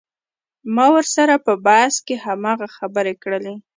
ما ورسره په بحث کښې هماغه خبرې کړلې.